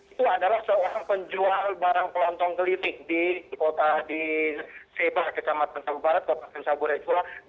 itu adalah seorang penjual barang pelontong klinik di kota sabu di seba kecamatan sabu barat kota sabu reskulah